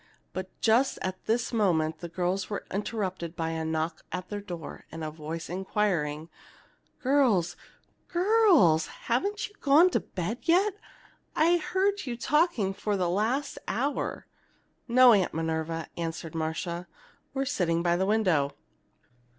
But just at this moment they were interrupted by a knock at the door, and a voice inquiring: "Girls, girls! haven't you gone to bed yet? I've heard you talking for the last hour." "No, Aunt Minerva!" answered Marcia, "we are sitting by the window."